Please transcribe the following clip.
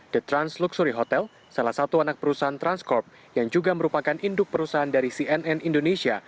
the trans luxury hotel salah satu anak perusahaan transcorp yang juga merupakan induk perusahaan dari cnn indonesia